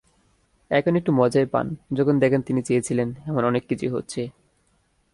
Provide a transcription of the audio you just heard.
এখন একটু মজাই পান, যখন দেখেন তিনি চেয়েছিলেন, এমন অনেক কিছুই হচ্ছে।